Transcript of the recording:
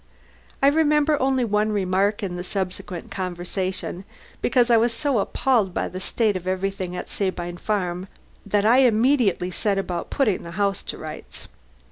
I remember only one remark in the subsequent conversation, because I was so appalled by the state of everything at Sabine Farm that I immediately set about putting the house to rights.